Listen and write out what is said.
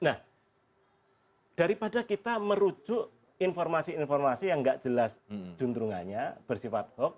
nah daripada kita merujuk informasi informasi yang nggak jelas juntrungannya bersifat hoax